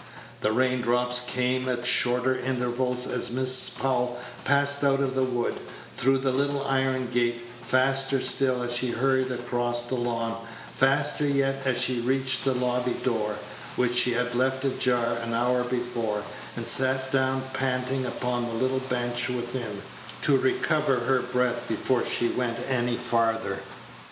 The rain drops came at shorter intervals as Mrs. Powell passed out of the wood, through the little iron gate; faster still as she hurried across the lawn; faster yet as she reached the lobby door, which she had left ajar an hour before, and sat down panting upon a little bench within, to recover her breath before she went any farther.